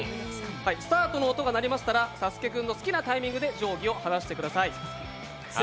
スタートの音がなりましたらサスケくんの好きなタイミングで定規を落としてください。